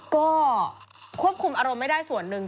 ก็ควบคุมอารมณ์ไม่ได้ส่วนหนึ่ง